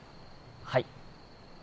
はい。